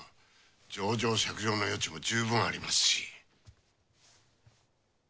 情状酌量の余地も十分ありますし。